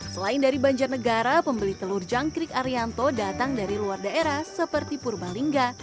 selain dari banjarnegara pembeli telur jangkrik arianto datang dari luar daerah seperti purbalingga